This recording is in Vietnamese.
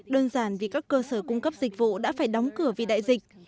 đơn giản vì các cơ sở cung cấp dịch vụ đã phải đóng cửa vì đại dịch